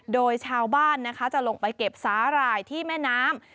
โดยชาวบ้านนะคะจะลงไปเก็บสาหร่ายที่แม่น้ำ